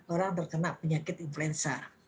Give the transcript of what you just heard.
orang terkena penyakit influenza